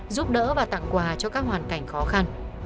giúp đỡ và tặng quà cho các hoàn cảnh khó khăn